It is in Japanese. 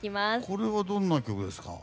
これはどんな曲ですか？